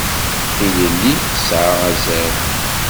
Tilelli tesɛa azal.